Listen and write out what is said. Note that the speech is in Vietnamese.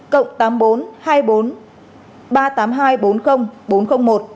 cộng tám nghìn bốn trăm hai mươi bốn ba tám hai bốn không bốn không một